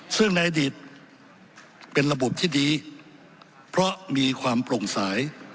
ซึ่งในอดีตเป็นระบบที่ดีเพราะมีความโปร่งใส